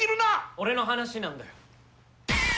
俺の話なんだよ。